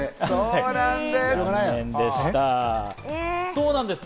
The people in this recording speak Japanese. そうなんです。